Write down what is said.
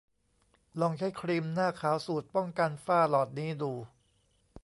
ลองใช้ครีมหน้าขาวสูตรป้องกันฝ้าหลอดนี้ดู